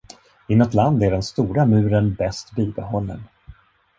Inåt land är den stora muren bäst bibehållen.